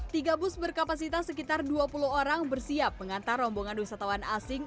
tiga bus berkapasitas sekitar dua puluh orang bersiap mengantar rombongan wisatawan asing